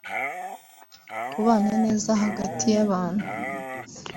kubana neza hagati y’abantu